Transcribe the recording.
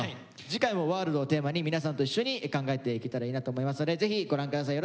次回も「ＷＯＲＬＤ」をテーマに皆さんと一緒に考えていけたらいいなと思いますのでぜひご覧下さい。